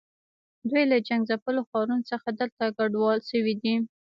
دوی له جنګ ځپلو ښارونو څخه دلته کډوال شوي دي.